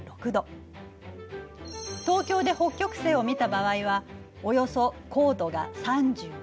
東京で北極星を見た場合はおよそ高度が３５度。